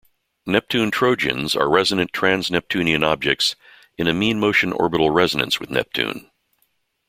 Neptune trojans are resonant trans-Neptunian objects in a mean-motion orbital resonance with Neptune.